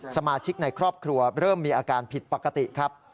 สมาชิกในครอบครัวเริ่มมีอาการผิดปกติครับ